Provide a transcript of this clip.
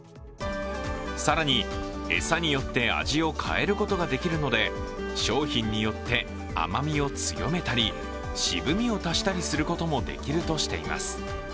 更に餌によって味を変えることができるので商品によって甘みを強めたり渋みを足したりすることもできるとしています。